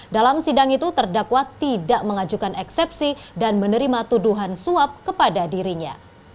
dalam sidang itu terdakwa tidak mengajukan eksepsi dan menerima tuduhan suap kepada dirinya